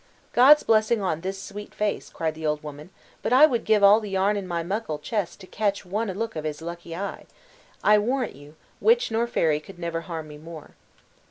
"God's blessing on his sweet face!" cried the old woman; "but I would give all the yarn in my muckle chest to catch one look of his lucky eye! I warrant you, witch nor fairy could never harm me more."